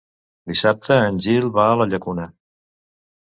Dissabte en Gil va a la Llacuna.